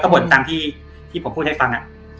ก็บอกทีที่ผมพูดให้กัน